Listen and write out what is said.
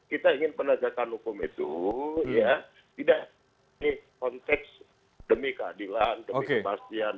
kita ingin penegakan hukum itu ya tidak konteks demi keadilan demi kepastian